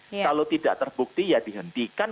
kalau tidak terbukti ya dihentikan